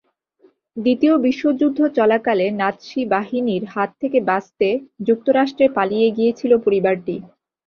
দ্বিতীয় বিশ্বযুদ্ধ চলাকালে নাৎসি বাহিনীর হাত থেকে বাঁচতে যুক্তরাষ্ট্রে পালিয়ে গিয়েছিল পরিবারটি।